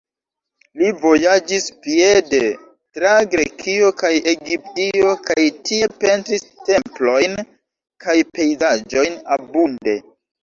Li vojaĝis piede tra Grekio kaj Egiptio kaj tie pentris templojn kaj pejzaĝojn abunde.